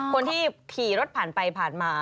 คนที่ขี่รถผ่านไปผ่านมา